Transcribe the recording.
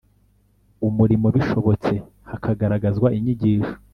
umurimo bishobotse hakagaragazwa inyigisho